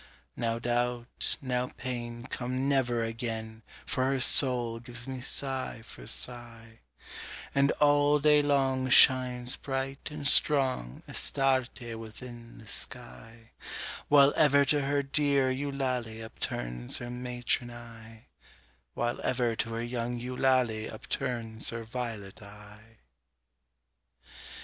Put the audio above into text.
Now doubt now Pain Come never again, For her soul gives me sigh for sigh, And all day long Shines, bright and strong, Astarté within the sky, While ever to her dear Eulalie upturns her matron eye While ever to her young Eulalie upturns her violet eye.